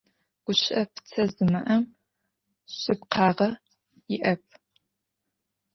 Guşı'e pıte zimı'em şsıpkhağe yi'ep.